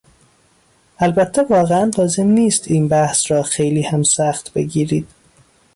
البته واقعا لازم نیست این بحث را خیلی هم سخت بگیرید.